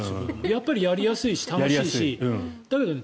やっぱりやりやすいし楽しいし。